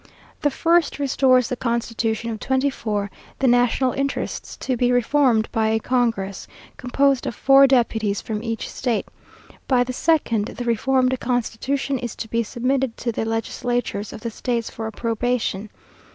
The first restores the constitution of '24, the national interests to be reformed by a congress, composed of four deputies from each state. By the second, the reformed constitution is to be submitted to the legislatures of the states for approbation.